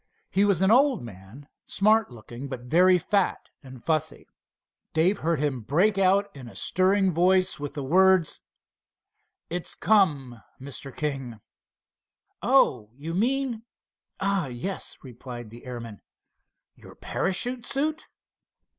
He was an old man, smart looking, but very fat and fussy. Dave heard him break out in a stirring tone with the words: "It's come, Mr. King." "Oh, you mean—ah, yes," replied the airman, "your parachute suit?"